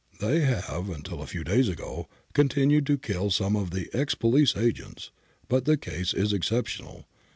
They have, until a few days ago, continued to kill some of the ex police agents, but the case is exceptional.